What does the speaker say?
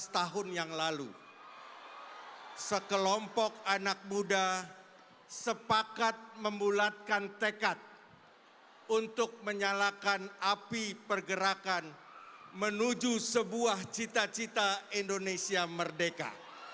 tujuh belas tahun yang lalu sekelompok anak muda sepakat membulatkan tekad untuk menyalakan api pergerakan menuju sebuah cita cita indonesia merdeka